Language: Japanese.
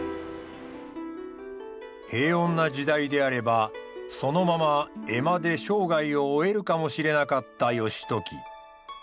平穏な時代であればそのまま江間で生涯を終えるかもしれなかった義時。